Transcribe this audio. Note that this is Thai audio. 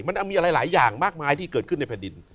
มันมีอะไรหลายอย่างมากมายที่เกิดขึ้นในแผ่นดิน